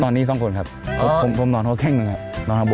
กันนี้๒คนครับเพราะผมนอนโค้กแข้งนะครับ